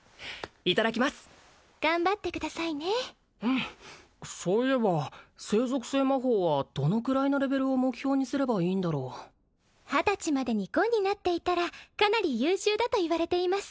いただきます頑張ってくださいねそういえば聖属性魔法はどのくらいのレベルを目標にすればいいんだろう２０歳までに５になっていたらかなり優秀だといわれています